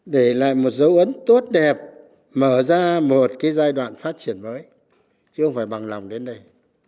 để lại một dấu ấn tốt đẹp mở ra một cái giai đoạn phát triển mới chứ không phải bằng lòng đến đây